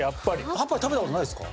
８杯食べた事ないですか？